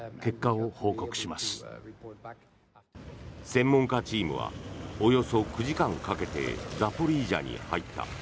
専門家チームはおよそ９時間かけてザポリージャに入った。